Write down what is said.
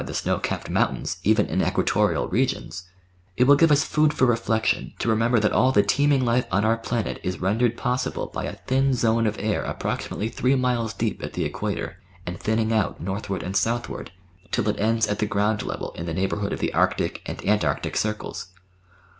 The Science of the Weather 769 by the snow capped mountains even in Equatorial regions, it will give us food for reflection to remember that all the teeming life on our planet is rendered possible by a thin zone of air approxi mately three miles deep at the Equator, and thinning out north ward and southward till it ends at the ground level in the neigh bourhood of the Arctic and Antarctic Circles.